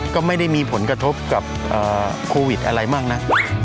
ก็ไม่ได้มีผลกระทบกับโควิดอะไรมากนัก